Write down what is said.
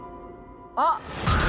あっ！